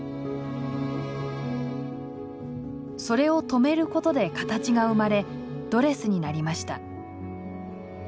それを留めることで形が生まれドレスになりました。